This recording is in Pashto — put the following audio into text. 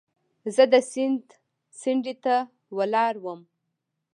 زه د سیند څنډې ته ولاړ وم.